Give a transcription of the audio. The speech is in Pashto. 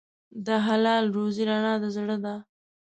د حلال روزي رڼا د زړه ده.